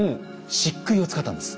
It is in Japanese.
しっくいを使ったんです。